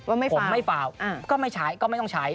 ไม่ฟาวก็ไม่ใช้ก็ไม่ต้องใช้